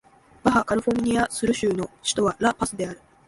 バハ・カリフォルニア・スル州の州都はラ・パスである